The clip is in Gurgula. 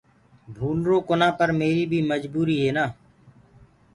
ڀوُلروَ ڪونآ پر ميريٚ بيٚ مجبوريٚ هي نآ